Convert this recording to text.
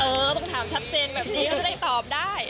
เออต้องถามชัดเจนแบบนี้เพื่อจะได้ตอบได้